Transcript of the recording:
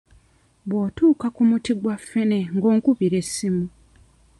Bw'otuuka ku muti gwa ffene ng'onkubira essimu.